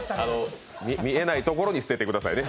見えないところに捨ててくださいね。